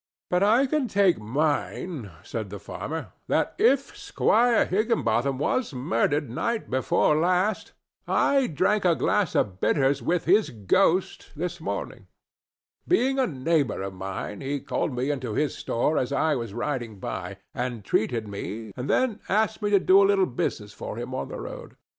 "But I can take mine," said the farmer, "that if Squire Higginbotham was murdered night before last I drank a glass of bitters with his ghost this morning. Being a neighbor of mine, he called me into his store as I was riding by, and treated me, and then asked me to do a little business for him on the road.